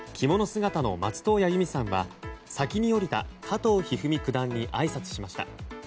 姿の松任谷由実さんは先に降りた加藤一二三九段にあいさつしました。